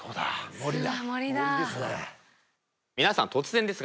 森だ。